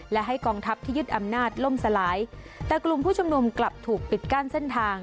และให้กองทัพที่ยึดอำนาจล่มสลายแต่กลุ่มผู้ชุมนุมกลับถูกปิดกั้นเส้นทาง